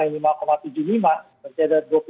jadi lima enam itu identik dengan lima lima sampai lima lima